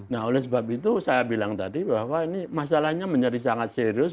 nah oleh sebab itu saya bilang tadi bahwa ini masalahnya menjadi sangat serius